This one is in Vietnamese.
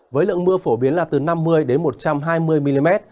với lượng mưa phổ biến là từ năm mươi đến một trăm hai mươi mm